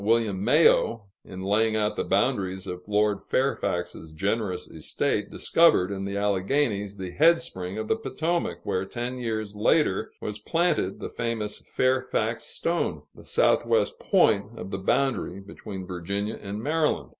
William Mayo, in laying out the boundaries of Lord Fairfax's generous estate, discovered in the Alleghanies the head spring of the Potomac, where ten years later was planted the famous "Fairfax Stone," the southwest point of the boundary between Virginia and Maryland.